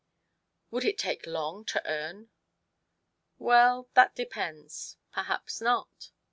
" Would it take long to earn ?"" Well, that depends ; perhaps not."